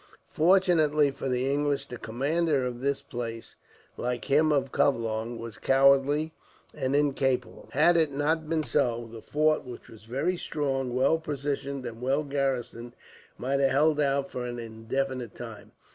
Fortunately for the English, the commander of this place, like him of Covelong, was cowardly and incapable. Had it not been so, the fort, which was very strong, well provisioned, and well garrisoned, might have held out for an indefinite time.